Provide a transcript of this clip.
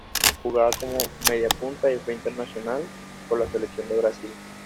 Jugaba como mediapunta y fue internacional por la Selección de Brasil.